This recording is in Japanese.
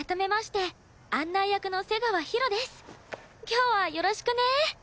今日はよろしくね。